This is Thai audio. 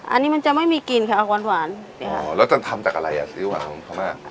อันนี้มันจะไม่มีกลิ่นค่ะเอาหวานหวานอ๋อแล้วจะทำจากอะไรอ่ะซิ้วหวานของพม่า